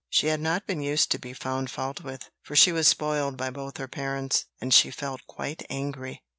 She had not been used to be found fault with; for she was spoiled by both her parents; and she felt quite angry.